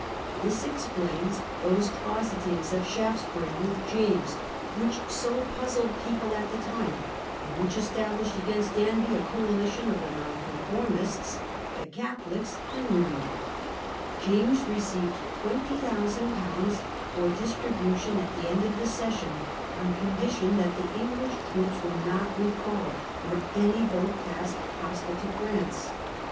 This Alliance of ex P^ a ^ ns those closetings of Shaftesbury with Louis and James which so puzzled people at the time, Shaftesbury and which established against Danby a coali Opposition. t j on 0 f t h e Nonconformists, the Catholics, and Louis. James received 20,000/. for distribution at the end of the session on condition that the English troops were not recalled nor any vote passed hostile to France.